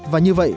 và như vậy